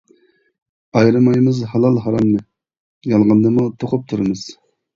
ئايرىمايمىز ھالال ھارامنى، يالغاننىمۇ توقۇپ تۇرىمىز.